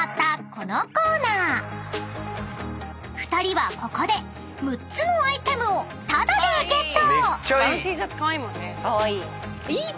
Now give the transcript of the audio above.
［２人はここで６つのアイテムをタダでゲット！］